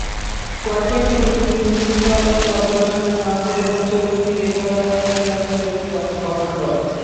ওয়ার্ডটি একটি city municipal corporation council এবং চৌরঙ্গী নির্বাচনী অঞ্চলের একটি অংশ গঠন করে।